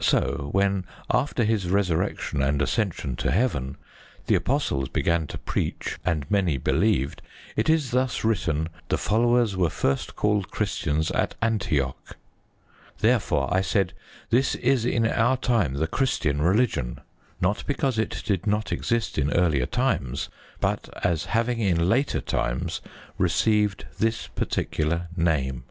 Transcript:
So when, after His resurrection and ascension to heaven, the Apostles began to preach and many believed, it is thus written, "The followers were first called Christians at Antioch." Therefore I said, "This is in our time the Christian religion," not because it did not exist in earlier times, but as having in later times received this particular name.